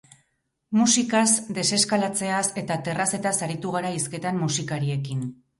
Musikaz, deseskalatzeaz eta terrazetaz aritu gara hizketan musikariarekin.